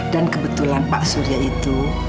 dan kebetulan pak surya itu